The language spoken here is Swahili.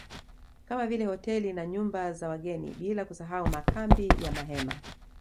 Kama vile hoteli na nyumba za wageni bila kusahau makambi ya mahema